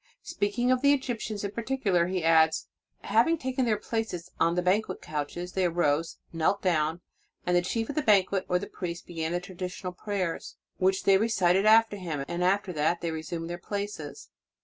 "* Speaking of the Egyptians in particular, he adds: "Having taken their places on the banquet couches, they arose, knelt down, and the chief of the banquet or the priest began the traditional prayers, which they recited after him; after that they resumed their places."